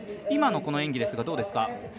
今の演技はどうですか？